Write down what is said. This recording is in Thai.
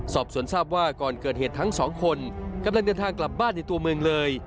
สอบสวนทราบว่าก่อนเกิดเหตุทั้งสองคนกำลังเดินทางกลับบ้านในตัวเมืองเลย